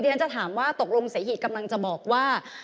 ฉันจะถามว่าตกลงเสหิตกำลังจะบอกว่า